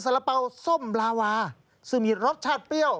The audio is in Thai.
ละเป๋าส้มลาวาซึ่งมีรสชาติเปรี้ยว